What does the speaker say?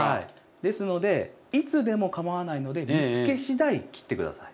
ですのでいつでもかまわないので見つけしだい切って下さい。